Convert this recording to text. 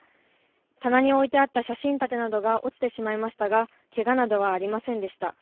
棚に置いてあった写真立てなどが落ちてしまいましたがけがなどはありませんでした。